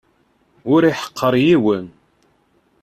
Ur iḥeqqer yiwen.